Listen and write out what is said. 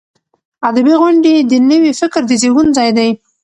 ادبي غونډې د نوي فکر د زیږون ځای دی.